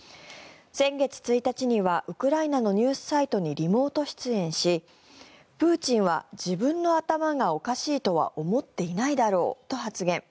先月１日にはウクライナのニュースサイトにリモート出演しプーチンは自分の頭がおかしいとは思っていないだろうと発言。